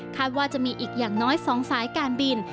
ว่าจะมีอีกอย่างน้อย๒สายการบิน